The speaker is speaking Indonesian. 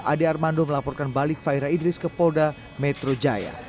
ade armando melaporkan balik fahira idris ke polda metro jaya